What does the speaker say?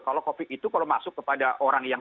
kalau covid itu kalau masuk kepada orang yang